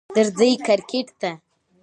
درځی کرکټ ته